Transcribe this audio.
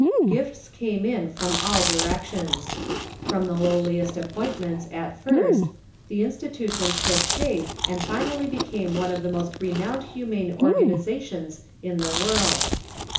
Gifts came in from all directions. From the lowliest apjiointments at first, the institution took shape, and finally became one of the most re nowned humane organizations in the world.